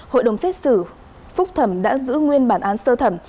hội đồng xét xử phúc thẩm đã giữ nguyên bản án sơ thẩm